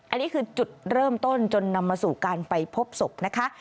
อันนี้คือจุดเริ่มต้นจนนำมาสู่การไปพบศพนะคะ